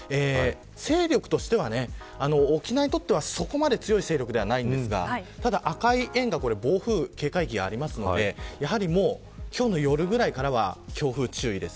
勢力としては沖縄にとっては、そこまで強い勢力ではないんですがただ赤い円が暴風警戒域がありますので今日の夜から強風に注意です。